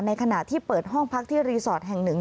ขณะที่เปิดห้องพักที่รีสอร์ทแห่งหนึ่ง